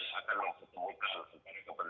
tentara kepentingan pekerja